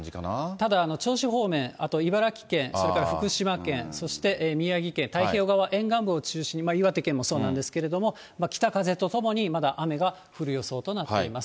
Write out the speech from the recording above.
ただ銚子方面、あと茨城県、それから福島県、そして宮城県、太平洋側沿岸部を中心に、岩手県もそうなんですけれども、北風とともにまだ雨が降る予想となっています。